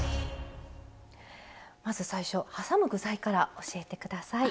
まず最初はさむ具材から教えて下さい。